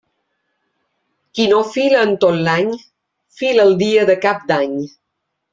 Qui no fila en tot l'any, fila el dia de Cap d'Any.